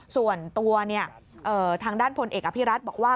ส่วนตัวทางด้านพลเอกอภิรัตน์บอกว่า